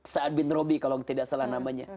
sa'ad bin robi kalau tidak salah namanya